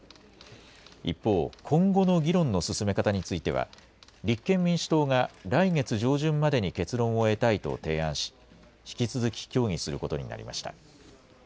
一方、今後の議論の進め方については、立憲民主党が来月上旬までに結論を得たいと提案し、引き続き協議することになりました。